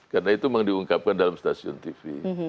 karena itu memang diungkapkan dalam stasiun tv